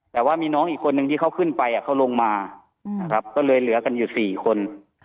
แต่ว่ามีน้องอีกคนนึงที่เขาขึ้นไปเขาลงมานะครับก็เลยเหลือกันอยู่๔คน